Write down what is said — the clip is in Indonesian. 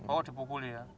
oh dibukulin ya